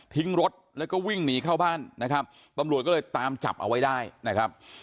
รถแล้วก็วิ่งหนีเข้าบ้านนะครับตำรวจก็เลยตามจับเอาไว้ได้นะครับ